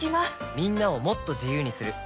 みんなをもっと自由にする「三菱冷蔵庫」